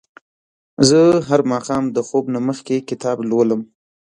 زه هر ماښام د خوب نه مخکې کتاب لولم.